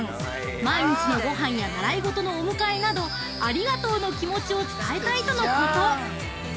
毎日のごはんや習い事のお迎えなどありがとうの気持ちを伝えたいとのこと！